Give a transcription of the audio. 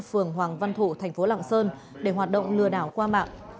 phường hoàng văn thụ thành phố lạng sơn để hoạt động lừa đảo qua mạng